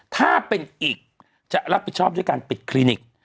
ถ้าเป็นอีกจะรับผิดชอบด้วยการปิดคลินิก